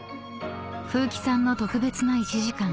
［富貴さんの特別な１時間］